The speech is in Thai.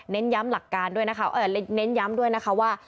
เน้นย้ำด้วยนะคะว่า